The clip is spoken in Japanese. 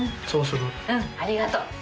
うんありがとう。